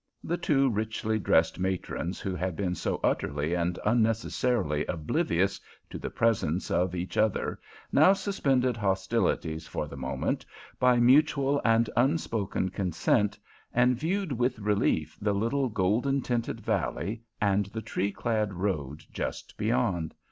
The two richly dressed matrons who had been so utterly and unnecessarily oblivious to the presence of each other now suspended hostilities for the moment by mutual and unspoken consent, and viewed with relief the little, golden tinted valley and the tree clad road just beyond.